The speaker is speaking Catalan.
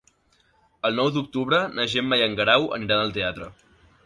El nou d'octubre na Gemma i en Guerau aniran al teatre.